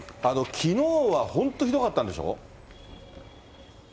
きのうは本当ひどかったんでしょ？